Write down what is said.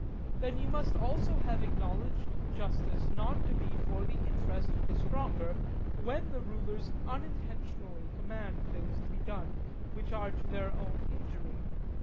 Then you must also have acknowledged justice not to be for the interest of the stronger, when the rulers unintentionally command things to be done which are to their own injury.